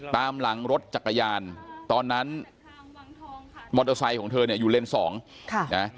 ตามหลังรถจักรยานตอนนั้นมอเตอร์ไซค์ของเธอเนี่ยอยู่เลนส์สองค่ะนะ